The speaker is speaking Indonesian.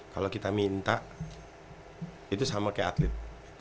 kalau kita minta itu sama kayak atlet